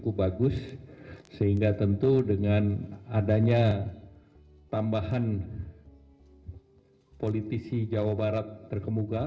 cukup bagus sehingga tentu dengan adanya tambahan politisi jawa barat terkemuka